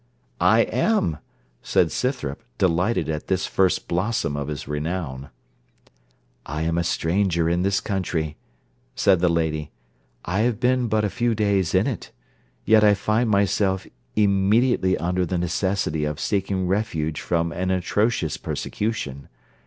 "' 'I am,' said Scythrop, delighted at this first blossom of his renown. 'I am a stranger in this country,' said the lady; 'I have been but a few days in it, yet I find myself immediately under the necessity of seeking refuge from an atrocious persecution.